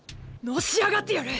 のし上がってやる！